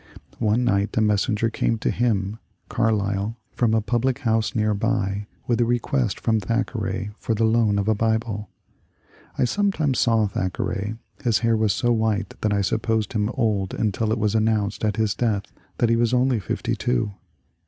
One night a messenger came to him (Carlyle) from a public house near by with a request from Thackeray for the loan of a Bible. I sometimes saw Thackeray ; his hair was so white that I supposed him old until it was announced at his death that he was only fifty two.